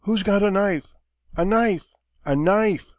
_] "Who's got a knife? A knife! a knife!"